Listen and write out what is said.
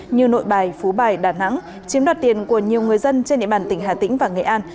như nội bài phú bài đà nẵng chiếm đoạt tiền của nhiều người dân trên địa bàn tỉnh hà tĩnh và nghệ an